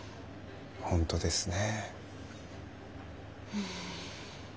本当ですね。